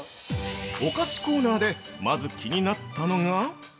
◆お菓子コーナーでまず気になったのが◆